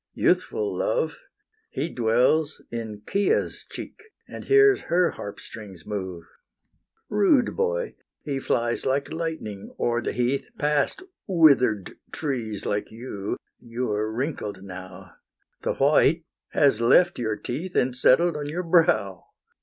Youthful Love! He dwells in Chia's cheek, And hears her harp strings move. Rude boy, he flies like lightning o'er the heath Past wither'd trees like you; you're wrinkled now; The white has left your teeth And settled on your brow.